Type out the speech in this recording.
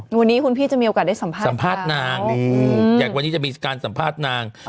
วันนี้คุณพี่จะมีโอกาสได้สัมภาษณ์สัมภาษณ์นางอยากวันนี้จะมีการสัมภาษณ์นาง